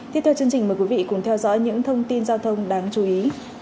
tiếp theo chương trình mời quý vị cùng theo dõi những thông tin giao thông đáng chú ý